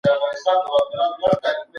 نایله د سرو زرو مډال هم وګاټه.